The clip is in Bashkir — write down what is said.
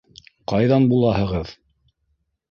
Ҡайҙан булаһығыҙ?